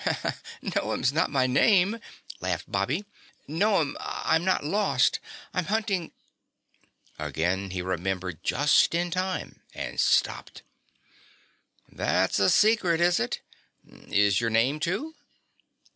"No'm's not my name!" laughed Bobby. "No'm, I'm not lost, I'm hunting " Again he remembered just in time and stopped. "That's a secret, is it? Is your name, too?"